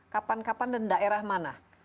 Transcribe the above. kapan kapan dan daerah mana